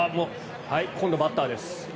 今度はバッターです。